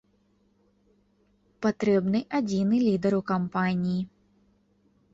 Патрэбны адзіны лідар у кампаніі.